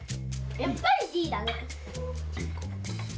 やっぱり一緒だね。